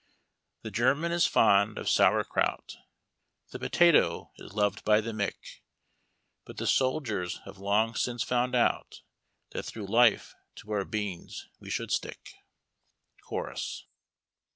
The German is fond of sauer kraut, The potato is loved by the Mick, But tlie soldiers have long since found out That through life to our beans we should stick. — Chorus.